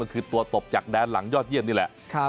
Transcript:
ก็คือตัวตบจากแดนหลังยอดเยี่ยมนี่แหละ